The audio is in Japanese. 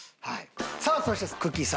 さあそしてくっきー！